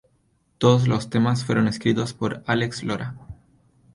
Todos los temas fueron escritos por Álex Lora.